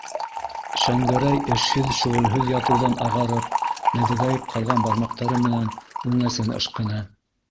- Шәңгәрәй эшһеҙ-шөғөлһөҙ ятыуҙан ағарып, нәҙегәйеп ҡалған бармаҡтары менән үңәсен ышҡыны.